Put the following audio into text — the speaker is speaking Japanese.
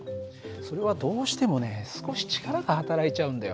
それはどうしてもね少し力がはたらいちゃうんだよ。